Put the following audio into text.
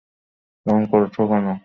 এমন করছো কেন?